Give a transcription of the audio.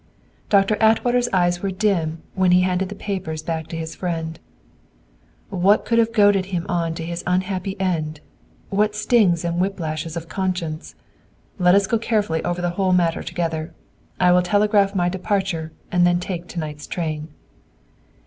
Doctor Atwater's eyes were dim when he handed the papers back to his friend. "What could have goaded him on to his unhappy end! What stings and whiplashes of conscience! Let us go carefully over the whole matter together! I will telegraph my departure and then take to night's train."